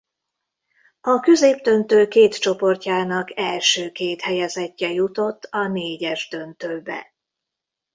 A középdöntő két csoportjának első két helyezettje jutott a négyes döntőbe.